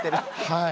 はい。